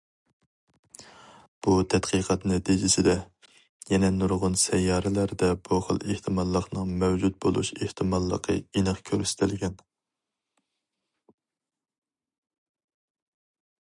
بۇ تەتقىقات نەتىجىسىدە يەنە نۇرغۇن سەييارىلەردە بۇ خىل ئېھتىماللىقنىڭ مەۋجۇت بولۇش ئېھتىماللىقى ئېنىق كۆرسىتىلگەن.